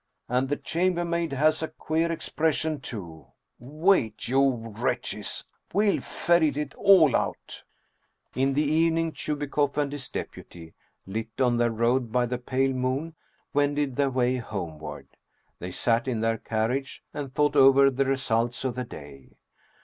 And the chambermaid has a queer expression too ! Wait, you wretches ! We'll ferret it all out !" In the evening Chubikoff and his deputy, lit on their road by the pale moon, wended their way homeward. They sat in their carriage and thought over the results of the day.